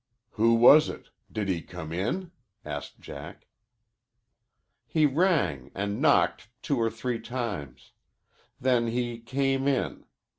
"Who was it? Did he come in?" asked Jack. "He rang and knocked two or three times. Then he came in.